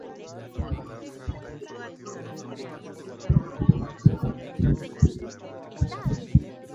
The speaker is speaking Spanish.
Codicioso, soberbio, mentiroso y siniestro.